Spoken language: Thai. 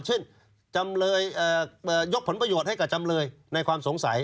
จำเลยยกผลประโยชน์ให้กับจำเลยในความสงสัย